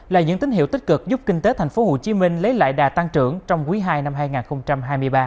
là những tín hiệu tích cực giúp kinh tế tp hcm lấy lại đà tăng trưởng trong quý ii năm hai nghìn hai mươi ba